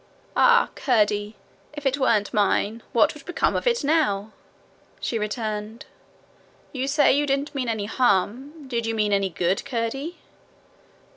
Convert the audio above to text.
'Ah, Curdie! If it weren't mine, what would become of it now?' she returned. 'You say you didn't mean any harm: did you mean any good, Curdie?'